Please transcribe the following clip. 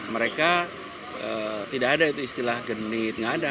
mereka tidak ada itu istilah genit nggak ada